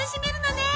ねえ。